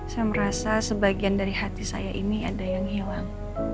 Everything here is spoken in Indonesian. saya merasa sebagian dari hati saya ini ada yang hilang